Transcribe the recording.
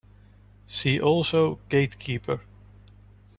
See also gatekeeper.